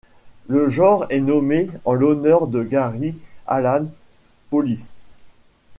Le genre est nommé en l'honneur de Gary Allan Polis.